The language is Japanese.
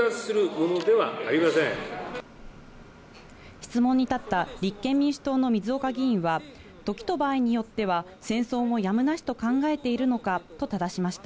質問に立った立憲民主党の水岡議員は、時と場合によっては戦争もやむなしと考えているのかとただしました。